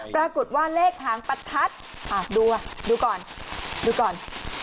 ปรากฏว่าเลขหางประทัดดูดูก่อนดูก่อน